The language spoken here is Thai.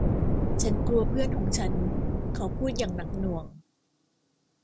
ฉันกลัวเพื่อนของฉันเขาพูดอย่างหนักหน่วง